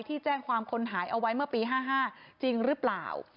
แจ้งความคนหายเอาไว้เมื่อปี๕๕จริงหรือเปล่า